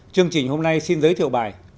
chương trình hôm nay xin giới thiệu bài